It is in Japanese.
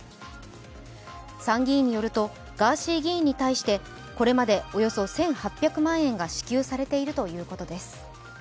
参議院によりますと、ガーシー議員に対して、これまでおよそ１８００万円が支給されているということです。